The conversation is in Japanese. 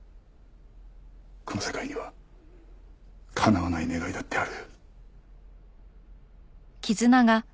この世界には叶わない願いだってある。